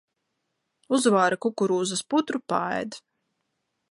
Uzvāra kukarūzas putru, paēd.